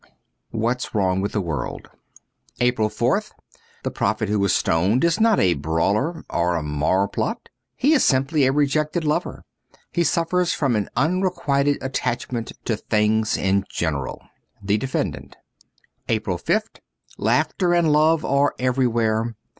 ^JV hat's Wrong zvith the World.' 103 APRIL 4th THE prophet who is stoned is not a brawler or a marplot. He is simply a rejected lover. He suffers from an unrequited attachment to things in general. ' The Defendant i:>S APRIL 5th LAUGHTER and love are everywhere.